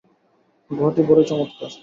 গুহাটি বড়ই চমৎকার।